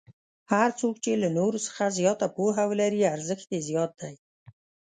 هر څوک چې له نورو څخه زیاته پوهه ولري ارزښت یې زیات دی.